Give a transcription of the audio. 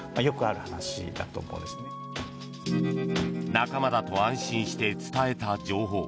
仲間だと安心して伝えた情報。